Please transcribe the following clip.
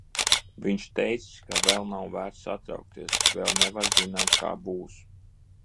Viņš teicis, ka vēl nav vērts satraukties, vēl nevar zināt, kā būs.